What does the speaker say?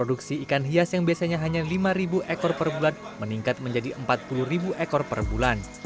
dan ikan hias yang biasanya hanya lima ekor per bulan meningkat menjadi empat puluh ekor per bulan